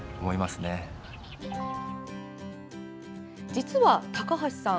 実は、高橋さん